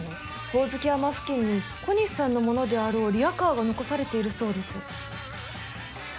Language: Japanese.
ホオズキ山付近に小西さんのものであろうリアカーが残されているそうです。